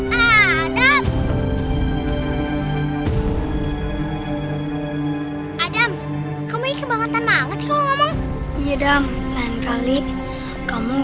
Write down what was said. hai adam adam kamu ini kebanggaan banget kamu ngomong iya dam lain kali kamu